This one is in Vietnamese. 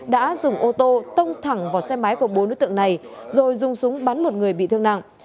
đã dùng ô tô tông thẳng vào xe máy của bốn đối tượng này rồi dùng súng bắn một người bị thương nặng